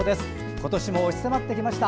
今年も押し迫ってきました。